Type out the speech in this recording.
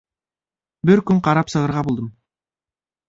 Бер көн ҡарап сығырға булдым.